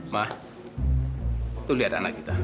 mah tuh lihat anak kita